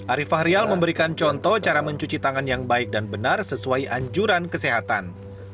arief fahrial memberikan contoh cara mencuci tangan yang baik dan benar sesuai anjuran kesehatan